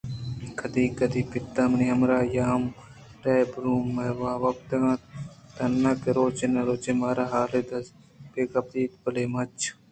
کد ی کدی پت منی ہمرائی ءَ ہمداtap room ءَ وپتگ اَت تاں کہ روچے نہ روچے مارا حالے دز بہ کپیت بلئے ہچ